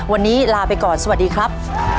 วันนี้ลาไปก่อนสวัสดีครับ